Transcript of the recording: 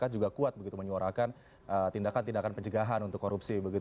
juga kuat begitu menyuarakan tindakan tindakan pencegahan untuk korupsi